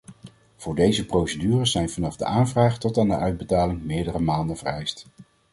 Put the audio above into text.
Voor deze procedure zijn vanaf de aanvraag tot aan de uitbetaling meerdere maanden vereist.